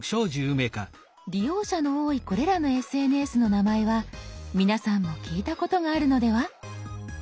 利用者の多いこれらのＳＮＳの名前は皆さんも聞いたことがあるのでは？